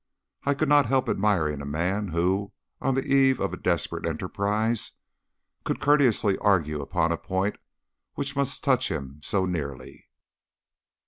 I could not help admiring a man who, on the eve of a desperate enterprise, could courteously argue upon a point which must touch him so nearly.